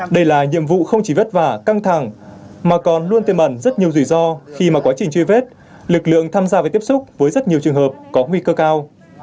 đây là nhiệm vụ không chỉ vất vả căng thẳng mà còn luôn tiềm ẩn rất nhiều rủi ro khi mà quá trình truy vết lực lượng tham gia và tiếp xúc với rất nhiều trường hợp có nguy cơ cao